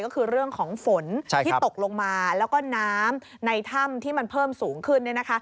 ก็คือเรื่องของฝนที่ตกลงมาแล้วก็น้ำในถ้ำที่มันเพิ่มสูงขึ้น